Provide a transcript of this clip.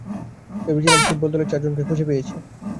ভেবেছিলাম ফুটবল দলের চারজনকে খুঁজে পেয়েছি।